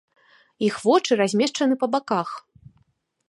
Іх вочы размешчаны па баках.